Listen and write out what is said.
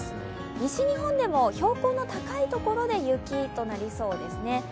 西日本でも標高の高い所で雪となりそうですね。